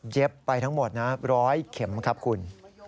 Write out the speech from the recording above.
เจ็บไปทั้งหมดนะร้อยเข็มครับคุณ